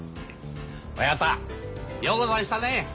親方ようござんしたね。